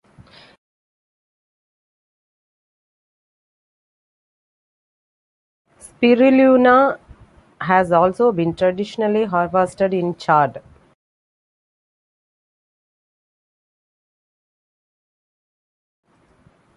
Spirulina has also been traditionally harvested in Chad.